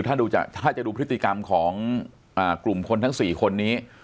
ถ้าจะดูพฤติกรรมของกลุ่มคนทั้ง๔คนนี้